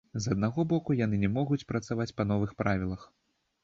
З аднаго боку, яны не могуць працаваць па новых правілах.